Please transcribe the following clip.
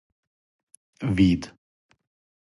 вид